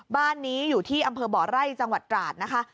บ้านนี้อยู่ที่อำเภอบ่อไร่จังหวัดตราดนะคะ